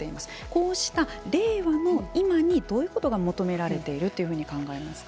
こうした令和の今にどういうことが求められているというふうに思いますか。